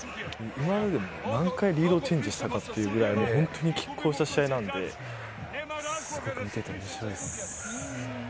今まで何回リードチェンジしたかというぐらい、本当に拮抗した試合なので、すごく見てて面白いっす。